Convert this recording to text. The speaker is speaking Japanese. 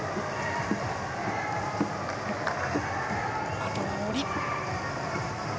あとは下り。